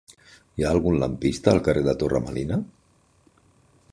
Hi ha algun lampista al carrer de Torre Melina?